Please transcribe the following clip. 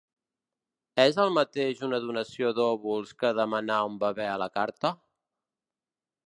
És el mateix una donació d’òvuls que demanar un bebè a la carta?